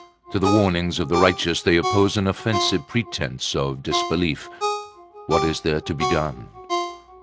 To the warnings of the righteous they oppose an offensive pretence of disbelief. What is there to be done?